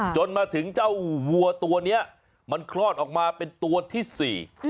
จนมาถึงเจ้าวัวตัวเนี้ยมันคลอดออกมาเป็นตัวที่สี่